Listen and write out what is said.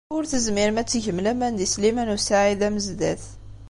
Ur tezmirem ad tgem laman deg Sliman u Saɛid Amezdat.